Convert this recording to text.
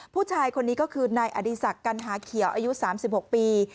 ผู้ชายคนนี้ก็คือนายอดีศักดิ์กัณหาเขียวอายุ๓๖ปี